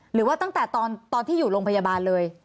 หรือว่าตั้งแต่ตอนที่อยู่โรงพยาบาลเลย